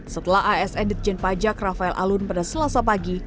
setelah asn ditjen pajak rafael alun pada selasa pagi